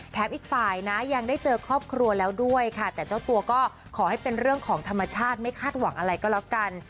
อีกฝ่ายนะยังได้เจอครอบครัวแล้วด้วยค่ะแต่เจ้าตัวก็ขอให้เป็นเรื่องของธรรมชาติไม่คาดหวังอะไรก็แล้วกัน